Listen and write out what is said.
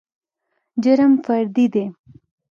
جرم فردي دى.